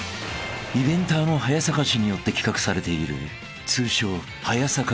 ［イベンターの早坂氏によって企画されている通称］